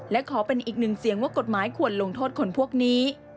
และขอเป็นอีกหนึ่งเสียงว่ากฎหมายควรลงโทษคนพวกนี้